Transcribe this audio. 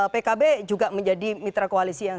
pkb juga menjadi mitra koalisi yang